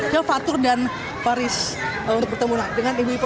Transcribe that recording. ya fatur dan faris untuk bertemu dengan ibu ivo